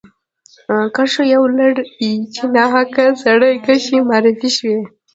کرښو یوه لړۍ چې ناحقه سرې کرښې معرفي شوې.